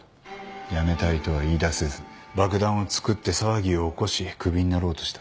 辞めたいとは言いだせず爆弾を造って騒ぎを起こしクビになろうとした。